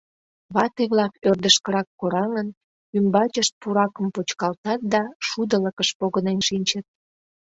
Вате-влак, ӧрдыжкырак кораҥын, ӱмбачышт пуракым почкалтат да шудылыкыш погынен шинчыт.